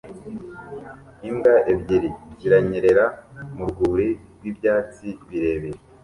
Imbwa ebyiri ziranyerera mu rwuri rw'ibyatsi birebire